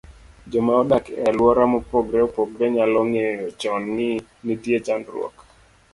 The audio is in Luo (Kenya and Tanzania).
joma odak e alwora mopogore opogore nyalo ng'eyo chon ni nitie chandruok